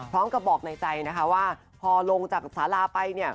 พร้อมกับบอกในใจนะคะว่าพอลงจากสาราไปเนี่ย